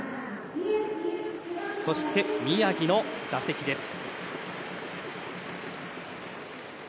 そして、宮城の打席です。